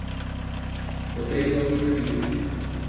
Potato Head".